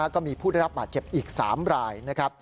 ก็มีผู้ได้รับบาดเจ็บอีก๓รายนะครับ